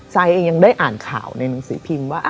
เองยังได้อ่านข่าวในหนังสือพิมพ์ว่า